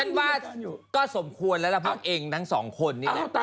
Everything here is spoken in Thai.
งั้นจะสมควรแล้วพวกเองทั้งสองคน